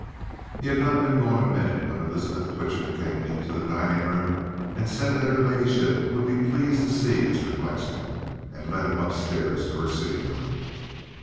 He had not been gone a minute when Elizabeth Twitcher came into the dining room, said that her ladyship would be pleased to see Mr. Flexen, and led him upstairs to her sitting room.